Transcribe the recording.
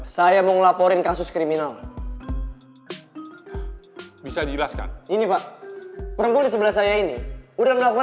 sampai jumpa di video selanjutnya